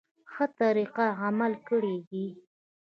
ښه طریقه عمل کړی دی.